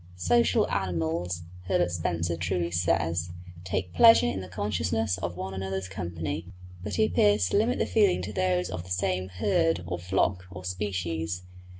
Social animals, Herbert Spencer truly says, "take pleasure in the consciousness of one another's company;" but he appears to limit the feeling to those of the same herd, or flock, or species.